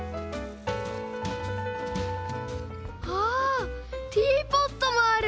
あっティーポットもある！